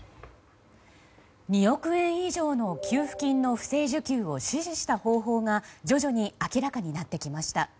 ２億円以上の給付金の不正受給を指示した方法が、徐々に明らかになってきました。